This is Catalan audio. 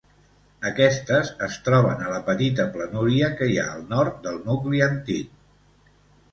Aquestes es troben a la petita planúria que hi ha al nord del nucli antic.